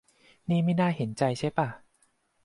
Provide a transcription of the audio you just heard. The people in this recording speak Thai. นี่ไม่น่าเห็นใจใช่ป่ะ